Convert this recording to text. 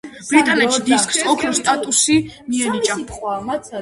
ბრიტანეთში დისკს ოქროს სტატუსი მიენიჭა.